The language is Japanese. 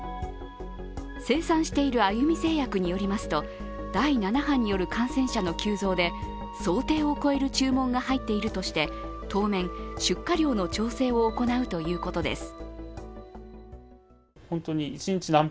生産しているあゆみ製薬によりますと、第７波による感染者の急増で想定を超える注文が入っているとして、当面、出荷量の調整を行うということです。